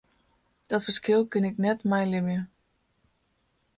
Dat ferskil kin ik net mei libje.